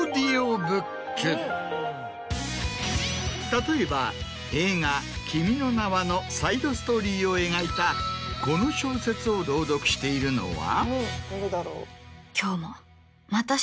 例えば映画『君の名は。』のサイドストーリーを描いたこの小説を朗読しているのは。